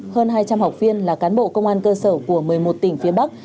hơn hai trăm linh học viên là cán bộ công an cơ sở của một mươi một tỉnh phía bắc